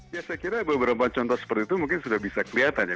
ya saya kira beberapa contoh seperti itu mungkin sudah bisa kelihatan ya